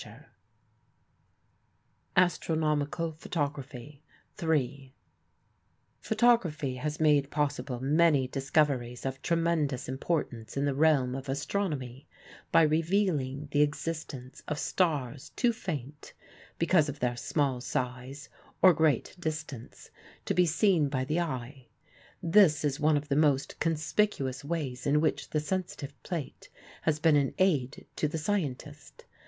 OCTOBER 19, 1911 BROOKS' COMET ASTRONOMICAL PHOTOGRAPH] PHOTOGRAPHY Astronomical Photography THREE Photography has made possible many discoveries of tremendous importance in the realm of astronomy by revealing the existence of stars too faint because of their small size or great distance to be seen by the eye. This is one of the most conspicuous ways in which the sensitive plate has been an aid to the scientist.